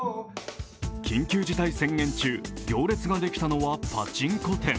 緊急事態宣言中、行列ができたのはパチンコ店。